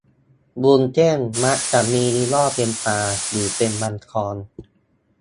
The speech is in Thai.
วุ้นเส้นมักจะมียี่ห้อเป็นปลาหรือเป็นมังกร